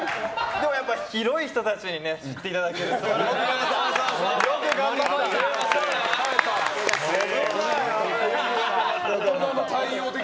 でも、やっぱり広い人たちに知っていただきたいので。